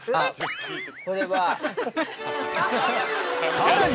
◆さらに！